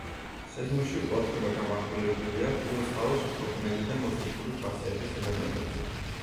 სეზონში ყურადღება გამახვილებულია პირველწყაროს უფრო ბნელი და მოწიფული ხასიათის ელემენტებზე.